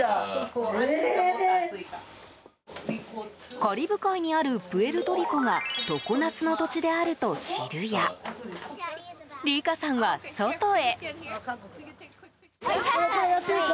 カリブ海にあるプエルトリコが常夏の土地であると知るや理佳さんは外へ。